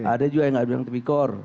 ada juga yang enggak di bidang tepikor